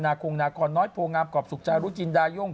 นากงนกรน้อยโพงอาบกอบสุขจารุจินดายุ่ง